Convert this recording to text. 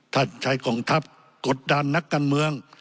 ใช้กองทัพกดดันนักการเมือง